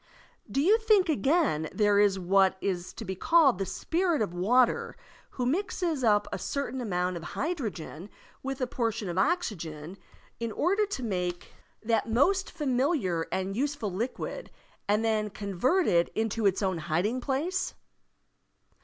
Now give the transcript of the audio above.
Do you think again there is what is to be called the spirit of water who mixes up a certain amount of hydrogen with a portion of oxygen in order to make that most familiar and useful liquid and then convert Digitized by Google 56 SERMONS OF A BtTDDHIST ABBOT it into his own hiditig place?